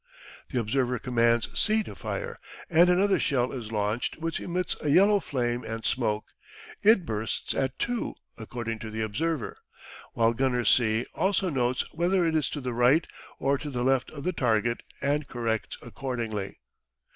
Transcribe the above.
The observer commands C to fire, and another shell is launched which emits a yellow flame and smoke. It bursts at 2 according to the observer, while gunner C also notes whether it is to the right or to the left of the target and corrects accordingly.